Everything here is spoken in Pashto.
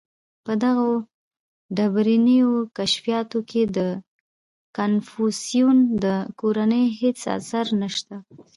• په دغو ډبرینو کشفیاتو کې د کنفوسیوس د کورنۍ هېڅ آثار نهشته.